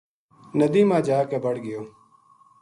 ندی ما جا کے بڑ گیو